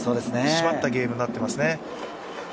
締まったゲームになってますね。